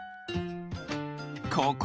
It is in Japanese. ここ。